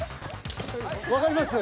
［わかります？］